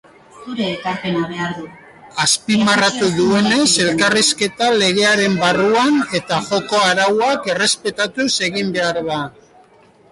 Azpimarratu duenez, elkarrizketa legearen barruan eta joko-arauak errespetatuz egin behar da.